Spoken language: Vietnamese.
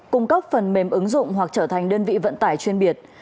cung cấp phần mềm ứng dụng hoặc trở thành đơn vị vận tải chuyên biệt